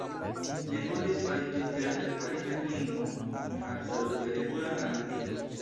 Li volis fari tute artefaritan lingvon kun absolute regula gramatiko.